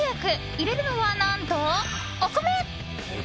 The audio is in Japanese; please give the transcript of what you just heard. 入れるのは、何とお米。